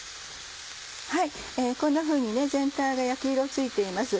こんなふうに全体が焼き色ついています。